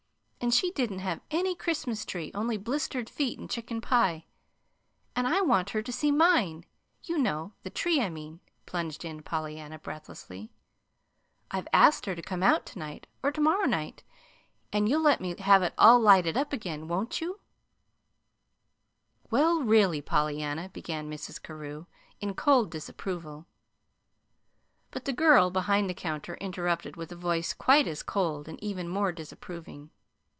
And she didn't have any Christmas tree only blistered feet and chicken pie; and I want her to see mine, you know the tree, I mean," plunged on Pollyanna, breathlessly. "I've asked her to come out to night, or to morrow night. And you'll let me have it all lighted up again, won't you?" [Illustration: "'I don't know her name yet, but I know HER, so it's all right'"] "Well, really, Pollyanna," began Mrs. Carew, in cold disapproval. But the girl behind the counter interrupted with a voice quite as cold, and even more disapproving.